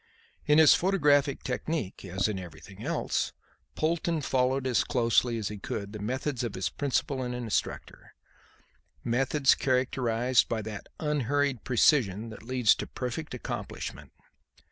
In his photographic technique, as in everything else, Polton followed as closely as he could the methods of his principal and instructor; methods characterized by that unhurried precision that leads to perfect accomplishment.